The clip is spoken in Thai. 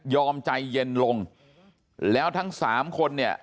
ใจเย็นลงแล้วทั้งสามคนเนี่ย